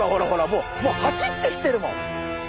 もうもう走ってきてるもん！